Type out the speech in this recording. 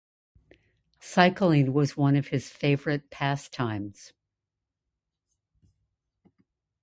Cycling was one of his favourite pastimes.